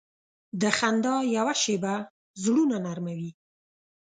د خندا یوه شیبه زړونه نرمه وي.